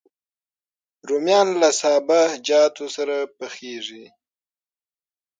رومیان له سابهجاتو سره پخېږي